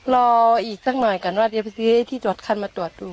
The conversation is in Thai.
รออีกซักหน่อยก่อนว่าเดี๋ยวไปซื้อที่สำคัญมาตรวจดู